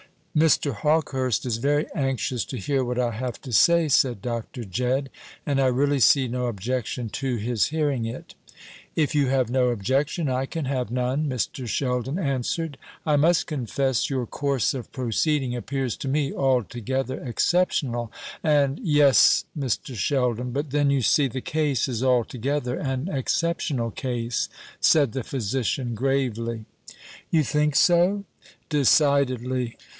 "Mr. Hawkehurst is very anxious to hear what I have to say," said Dr. Jedd; "and I really see no objection to his hearing it." "If you have no objection, I can have none," Mr. Sheldon answered. "I must confess, your course of proceeding appears to me altogether exceptional, and " "Yes, Mr. Sheldon; but then, you see, the case is altogether an exceptional case," said the physician, gravely. "You think so?" "Decidedly.